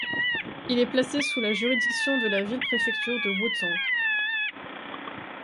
Il est placé sous la juridiction de la ville-préfecture de Wuzhong.